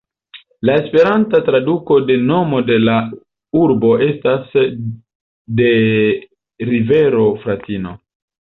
La esperanta traduko de nomo de la urbo estas "de rivero "Fratino".